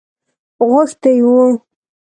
غوښتی وو.